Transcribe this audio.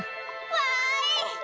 「わい！」